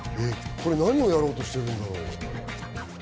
これ何をやろうとしているんだろう？